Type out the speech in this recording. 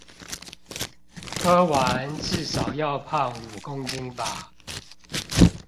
喝完至少要胖五公斤吧